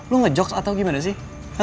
lo ngejokes atau gimana sih